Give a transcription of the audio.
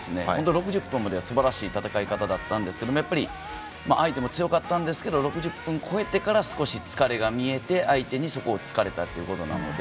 ６０分までは、すばらしい戦い方だったんですけど相手も強かったんですが６０分を超えてから少し疲れが見えて、相手にそこを突かれたということなので。